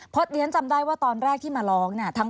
เพราะเรียนจำได้ว่าตอนแรกที่มาร้องเนี่ย